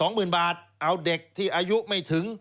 หมื่นบาทเอาเด็กที่อายุไม่ถึง